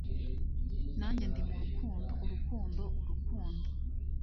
Nanjye Ndi mu rukundo Urukundo urukundo